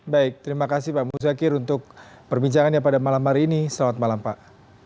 baik terima kasih pak muzakir untuk perbincangannya pada malam hari ini selamat malam pak